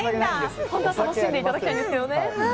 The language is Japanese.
本当は楽しんでいただきたいんですけどね。